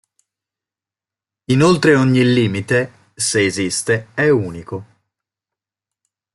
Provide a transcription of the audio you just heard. Inoltre ogni limite, se esiste, è unico.